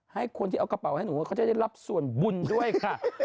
ให้คนที่เอากระเป๋าให้หนูเขาจะได้รับส่วนบุญด้วยค่ะ